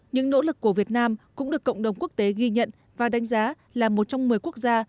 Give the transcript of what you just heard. những nỗ lực của việt nam cũng được cộng đồng quốc tế ghi nhận và đánh giá là một trong một mươi quốc gia